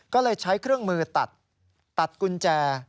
ก็เลยใช้เครื่องมือตัดกุญแจ